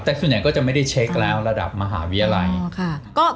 แต่ส่วนใหญ่ก็จะไม่ได้เช็คแล้วระดับมหาวิทยาลัย